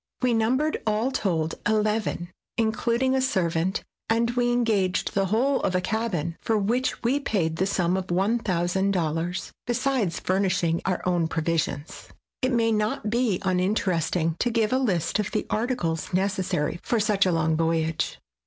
We numbered, all told, eleven, including a servant; and we engaged the whole of a cabin, for which we paid the sum of $1,000, besides furnishing our own provisions. It may not be uninteresting to give a list of the articles necessary for such a long voyage.